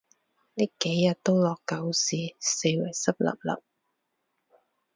呢幾日都落狗屎，四圍濕 𣲷𣲷